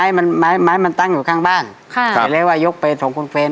ไอ้ไม้มันไม้มันตั้งอยู่ข้างบ้างครับเดี๋ยวอยากไปสองคนเพศ